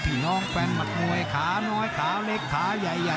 พี่น้องแฟนมัดมวยขาน้อยขาเล็กขาใหญ่